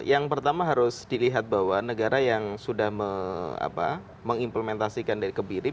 yang pertama harus dilihat bahwa negara yang sudah mengimplementasikan dari kebiri